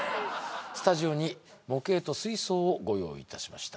スタジオに模型と水槽をご用意いたしました